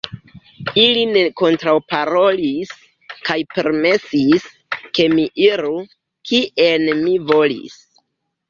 Ili ne kontraŭparolis, kaj permesis, ke mi iru, kien mi volis.